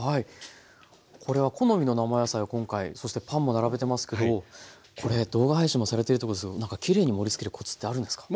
これは好みの生野菜を今回そしてパンも並べてますけどこれ動画配信もされてるということですが何かきれいに盛りつけるコツってあるんですか？